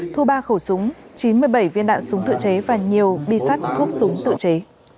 thu ba khẩu súng chín mươi bảy viên đạn súng tự chế và nhiều bi sắt thuốc súng tự chế